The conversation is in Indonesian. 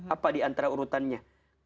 apa diantara urutannya